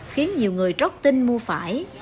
khiến nhiều người trót tin mua phải